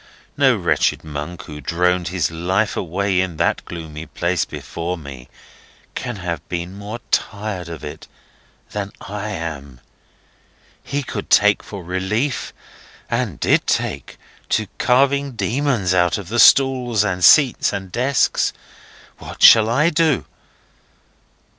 No wretched monk who droned his life away in that gloomy place, before me, can have been more tired of it than I am. He could take for relief (and did take) to carving demons out of the stalls and seats and desks. What shall I do?